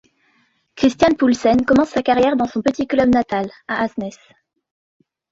Christian Poulsen commence sa carrière dans son petit club natal, à Asnæs.